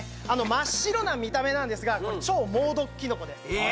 真っ白な見た目なんですがこれ超猛毒きのこです